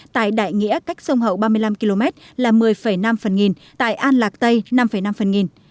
tại đại nghĩa cách sông hậu ba mươi năm km là một mươi năm phần nghìn tại an lạc tây năm năm phần nghìn